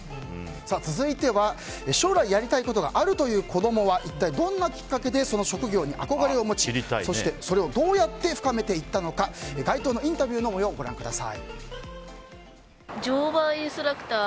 続いては、将来やりたいことがあるという子供は一体どんなきっかけでその職業に憧れを持ちそしてそれをどうやって深めていったのか街頭のインタビューの模様をご覧ください。